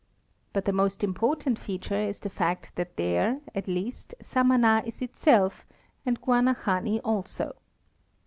But the most important feature is the fact that here, at least, Samana is itself and Guanahani also.